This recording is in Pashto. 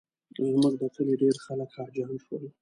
زموږ د کلي ډېر خلک حاجیان شول.